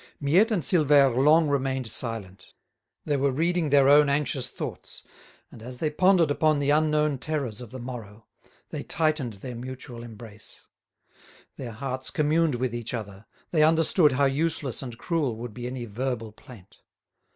Miette and Silvère long remained silent. They were reading their own anxious thoughts, and, as they pondered upon the unknown terrors of the morrow, they tightened their mutual embrace. Their hearts communed with each other, they understood how useless and cruel would be any verbal plaint.